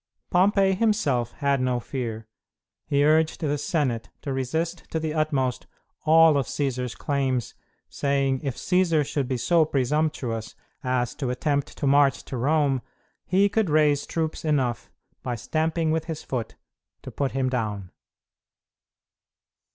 Pompey himself had no fear. He urged the Senate to resist to the utmost all of Cćsar's claims, saying if Cćsar should be so presumptuous as to attempt to march to Rome he could raise troops enough by stamping with his foot to put him down.